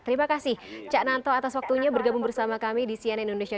terima kasih cak nanto atas waktunya bergabung bersama kami di cnn indonesia